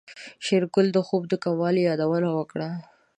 شېرګل د خوب د کموالي يادونه وکړه.